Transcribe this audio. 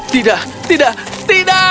tidak tidak tidak